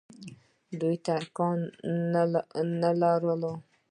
دوی ترکان نه ول.